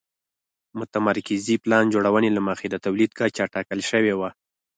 متمرکزې پلان جوړونې له مخې د تولید کچه ټاکل شوې وه.